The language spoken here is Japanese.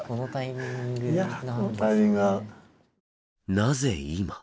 なぜ今？